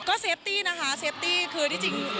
ก็เซฟตี้นะคะเซฟตี้คือที่จริง